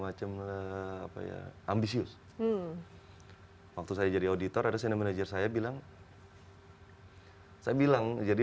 macem lah apa ya ambisius waktu saya jadi auditor ada sinemenajer saya bilang hai saya bilang jadi